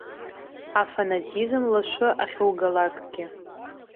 Афанатизм лашәы ахьугалакгьы.